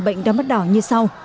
bệnh đau mắt đỏ như sau